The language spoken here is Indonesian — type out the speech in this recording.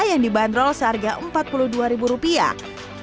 yang dibanderol seharga empat puluh dua ribu rupiah